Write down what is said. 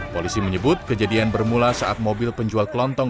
polisi menyebut kejadian bermula saat mobil penjual kelontong